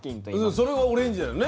それはオレンジだよね。